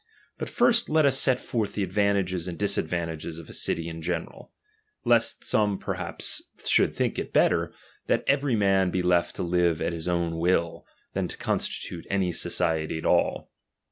But first let us set forth the advantages and disadvantages of a city in general ; lest some perhaps should think it better, that every man be left to live at his own will, than to constitute any society at all.